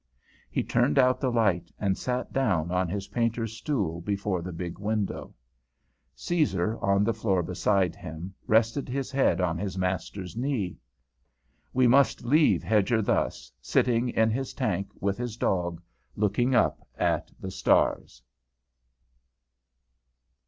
He turned out the light and sat down on his painter's stool before the big window. Caesar, on the floor beside him, rested his head on his master's knee. We must leave Hedger thus, sitting in his tank with his dog, looking up at the stars.